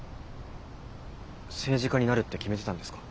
政治家になるって決めてたんですか？